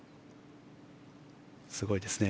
すごいですね。